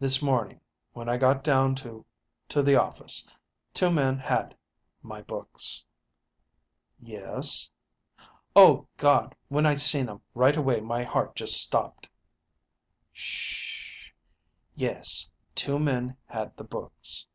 "This morning, when I got down to to the office, two men had my books." "Yes." "O God! When I seen 'em, right away my heart just stopped." '"Sh h h! Yes two men had the books."